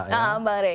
ya mbak reh